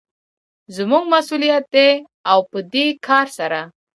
زموږ مسوليت دى او په دې کار سره